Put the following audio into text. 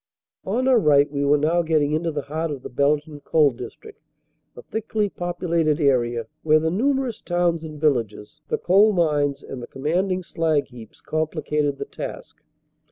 "On our right we were now getting into the heart of the Belgian coal district a thickly populated area, where the numerous towns and villages, the coal mines, and the com manding slag heaps complicated the task.